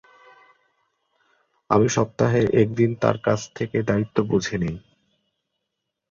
আমি সপ্তাহে একদিন তার কাছ থেকে দায়িত্ব বুঝে নেই।